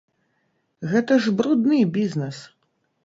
Гэта ж брудны бізнэс!